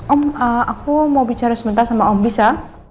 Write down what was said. om aku mau bicara sebentar sama om bisa